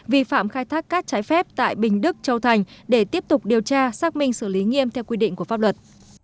vi phạm khai thác cát trái phép tại bình đức châu thành để tiếp tục điều tra xác minh xử lý nghiêm theo quy định của pháp luật